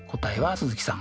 鈴木さん。